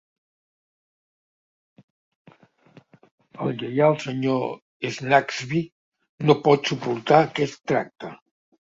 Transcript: El lleial Sr. Snagsby no pot suportar aquest tracte.